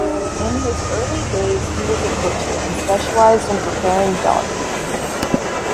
In his early days, he was a butcher and specialised in preparing dog meat.